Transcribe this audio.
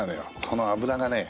この脂がね